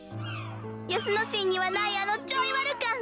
やすのしんにはないあのちょいワルかん！